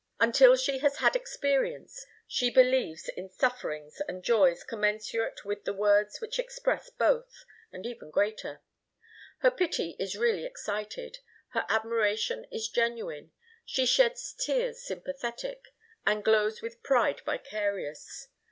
Until she has had experience, she believes in sufferings and joys commensurate with the words which express both, and even greater. Her pity is really excited; her admiration is genuine; she sheds tears sympathetic, and glows with pride vicarious.